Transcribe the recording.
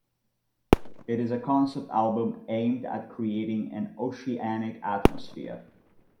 It is a concept album aimed at creating an oceanic atmosphere.